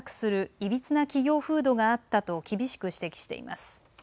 いびつな企業風土があったと厳しく指摘しています。